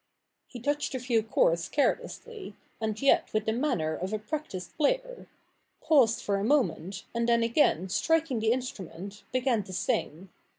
He touched a few chords carelessly, and yet with the manner of a practised player ; paused for a moment, and then again striking the instrument began to sing.